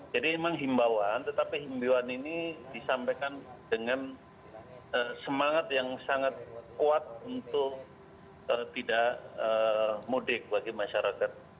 jadi memang himbawan tetapi himbawan ini disampaikan dengan semangat yang sangat kuat untuk tidak mudik bagi masyarakat